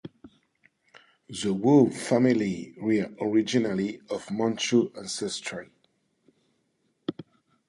The Wu family were originally of Manchu ancestry.